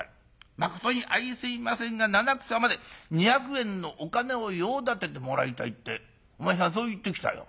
まことにあいすいませんが七草まで２００円のお金を用立ててもらいたい』ってお前さんそう言ってきたよ。